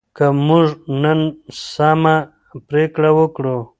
که موږ نن سمه پریکړه وکړو.